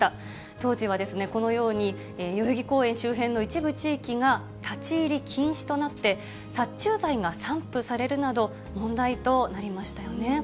当時はこのように、代々木公園周辺の一部地域が、立ち入り禁止となって、殺虫剤が散布されるなど、問題となりましたよね。